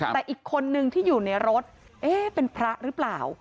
แต่อีกคนนึงที่อยู่ในรถเอ๊ะเป็นพระหรือเปล่า